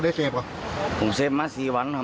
อ๋อได้เซฟหรอผมเซฟมาสี่วันครับอ๋อ